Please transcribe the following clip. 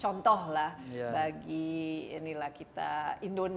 contoh lah bagi